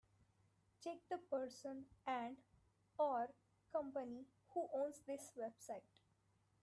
Check the person and/or company who owns this website.